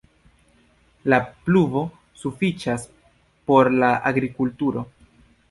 La pluvo sufiĉas por la agrikulturo.